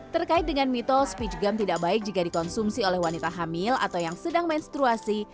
terkait dengan mitol speech gum tidak baik jika dikonsumsi oleh wanita hamil atau yang sedang menstruasi